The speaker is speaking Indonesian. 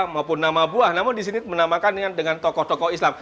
maupun nama buah namun disini menamakan dengan tokoh tokoh islam